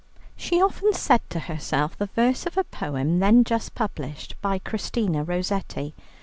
She often said to herself the verse of a poem then just published by Christina Rossetti.